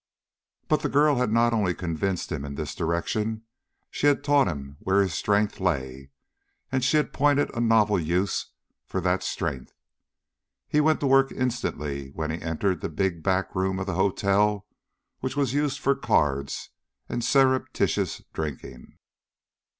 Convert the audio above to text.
But the girl had not only convinced him in this direction, she had taught him where his strength lay, and she had pointed a novel use for that strength. He went to work instantly when he entered the big back room of the hotel which was used for cards and surreptitious drinking.